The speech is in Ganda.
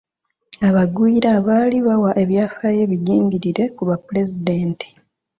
Abagwira baali bawa ebyafaayo ebijingirire ku bapulezidenti.